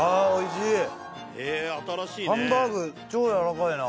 ハンバーグ超やわらかいな。